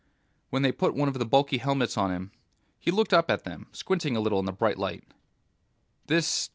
When they put one of the bulky helmets on him, he looked up at them, squinting a little in the bright light. "This